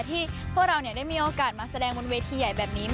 ที่พวกเราได้มีโอกาสมาแสดงบนเวทีใหญ่แบบนี้